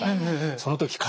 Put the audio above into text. その時体